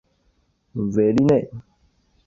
韦利内。